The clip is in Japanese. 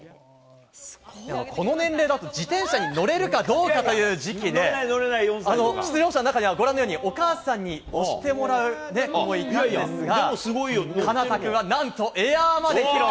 この年齢だと、自転車に乗れるかどうかという時期で、出場者の中には、ご覧のように、お母さんに押してもらう子もいたんですが、幹大くんはなんと、エアーまで披露。